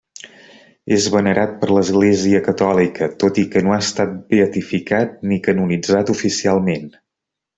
És venerat per l'Església catòlica, tot i que no ha estat beatificat ni canonitzat oficialment.